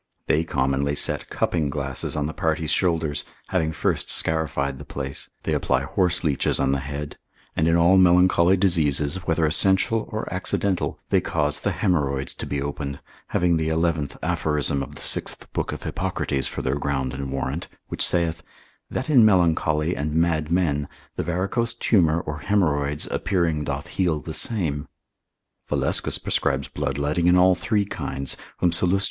They commonly set cupping glasses on the party's shoulders, having first scarified the place, they apply horseleeches on the head, and in all melancholy diseases, whether essential or accidental, they cause the haemorrhoids to be opened, having the eleventh aphorism of the sixth book of Hippocrates for their ground and warrant, which saith, That in melancholy and mad men, the varicose tumour or haemorrhoids appearing doth heal the same. Valescus prescribes bloodletting in all three kinds, whom Sallust.